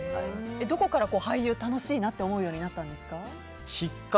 どこから俳優が楽しいなって思うようになったんですか？